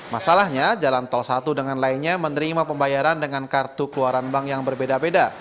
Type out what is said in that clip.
masalahnya jalan tol satu dengan lainnya menerima pembayaran dengan kartu keluaran bank yang berbeda beda